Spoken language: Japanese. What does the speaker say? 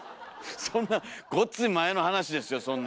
そんなごっつい前の話ですよそんな。